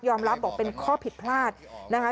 รับบอกเป็นข้อผิดพลาดนะคะ